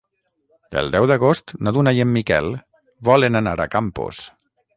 El deu d'agost na Duna i en Miquel volen anar a Campos.